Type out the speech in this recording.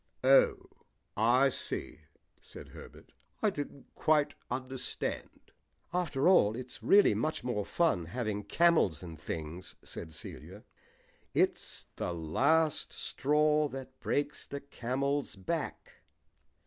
"Oh, I see," said Herbert. "I didn't quite understand." "After all, its really much more fun having camels and things," said Celia. "'It's the last straw that breaks the camel's back.'